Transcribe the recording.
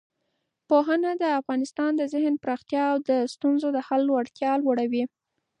پوهنه د انسان د ذهن پراختیا او د ستونزو د حل وړتیا لوړوي.